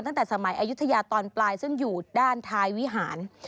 ตั้งแต่สมัยอายุทยาตอนปลายซึ่งอยู่ด้านท้ายวิหาร